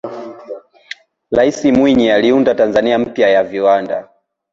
raisi mwinyi aliunda tanzania mpya ya viwanda